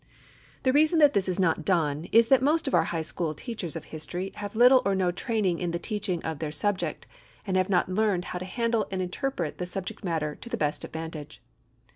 The reason that this is not done is that most of our high school teachers of history have had little or no training in the teaching of their subject and have not learned how to handle and interpret the subject matter to the best advantage.